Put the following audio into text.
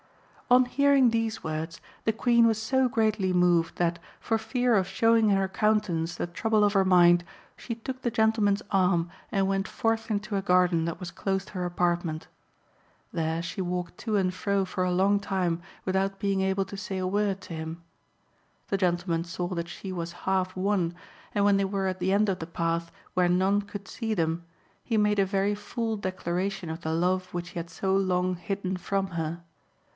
No. 1520 in the Bibliothèque Nationale. L. On hearing these words the Queen was so greatly moved that, for fear of showing in her countenance the trouble of her mind, she took the gentleman's arm and went forth into a garden that was close to her apartment. There she walked to and fro for a long time without being able to say a word to him. The gentleman saw that she was half won, and when they were at the end of the path, where none could see them, he made a very full declaration of the love which he had so long hidden from her.